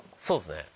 そうっすね。